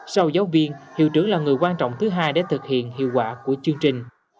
sau giáo viên hiệu trưởng là người quan trọng thứ hai để thực hiện hiệu quả của chương trình